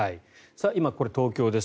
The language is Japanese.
今、これは東京です